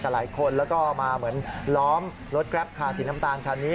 แล้วก็มาเหมือนล้อมรถแกรปค่าสีน้ำตาลค่านี้